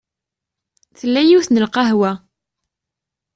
Tella yiwet n lqahwa.